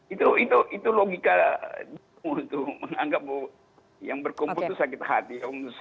itu logika untuk menganggap yang berkumpul itu sakit hati